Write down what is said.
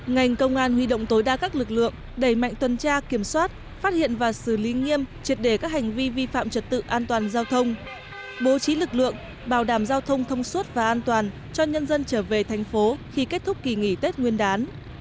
ngành công an huy động tối đa các lực lượng đẩy mạnh tuần tra kiểm soát phát hiện và xử lý nghiêm triệt đề các hành vi vi phạm trật tự an toàn giao thông bố trí lực lượng bảo đảm giao thông thông suốt và an toàn cho nhân dân trở về thành phố khi kết thúc kỳ nghỉ tết nguyên đán